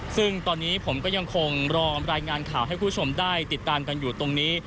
ซึ่งตอนนี้ผมก็ยังคงรอรายงานข่าวให้คุณผู้ชมได้ติดตามกันอยู่ตรงนี้